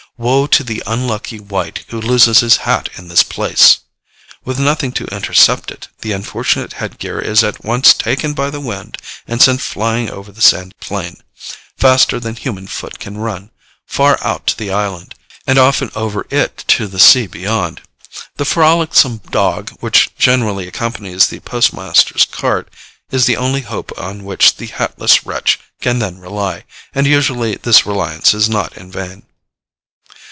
Woe to the unlucky wight who loses his hat in this place! With nothing to intercept it, the unfortunate headgear is at once taken by the wind and sent flying over the sandy plain, faster than human foot can run, far out to the island, and often over it to the sea beyond. The frolicsome dog, which generally accompanies the postmaster's cart, is the only hope on which the hatless wretch can then rely; and usually this reliance is not in vain.